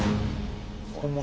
本物？